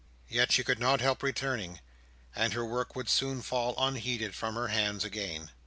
Yet she could not help returning; and her work would soon fall unheeded from her hands again.